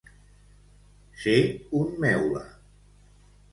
Ser un meula.